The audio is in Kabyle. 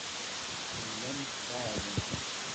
Tellamt tbeɛɛdemt.